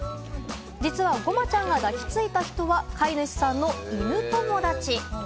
実はごまちゃんが抱きついた人は、飼い主さんの犬友達。